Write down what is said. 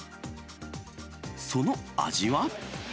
その味は？